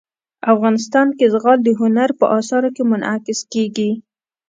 افغانستان کې زغال د هنر په اثار کې منعکس کېږي.